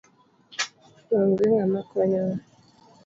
Onge ng'ama konyo waa